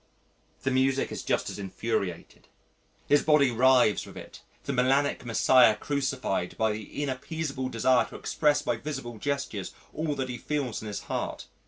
The music is just as infuriated his body writhes with it the melanic Messiah crucified by the inappeasable desire to express by visible gestures all that he feels in his heart.